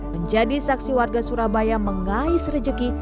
menjadi saksi warga surabaya mengais rejeki